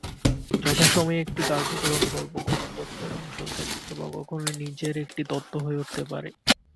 যথাসময়ে, একটি কার্যকর অনুকল্প কোনো তত্ত্বের অংশ হতে পারে বা কখনো নিজেই একটি তত্ত্ব হয়ে উঠতে পারে।